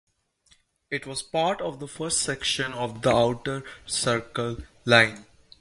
It was part of the first section of the Outer Circle line.